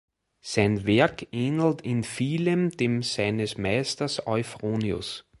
Sein Werk ähnelt in vielem dem seines Meisters Euphronios.